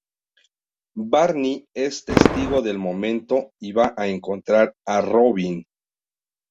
Barney es testigo del momento y va a encontrar a Robin.